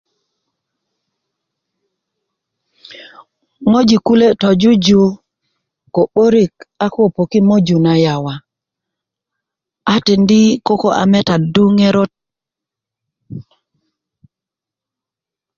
ŋwajik kule tojuju ko 'borik a ko poki i moju na yawa a tindi koko a metadu ŋerot